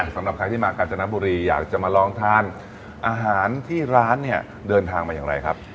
สำหรับใครที่มากาญจนบุรีอยากจะมาลองทานอาหารที่ร้านเนี่ยเดินทางมาอย่างไรครับ